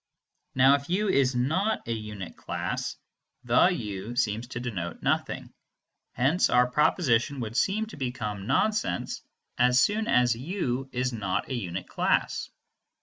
Now if u is not a unit class, "the u" seems to denote nothing; hence our proposition would seem to become nonsense as soon as u is not a unit class.